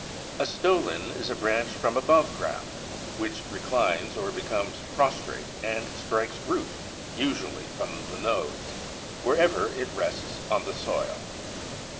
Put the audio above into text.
95. =A Stolon= is a branch from above ground, which reclines or becomes prostrate and strikes root (usually from the nodes) wherever it rests on the soil.